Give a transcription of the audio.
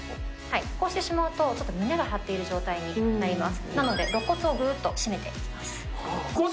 こうしてしまうと、ちょっと胸が張ってる状態になります。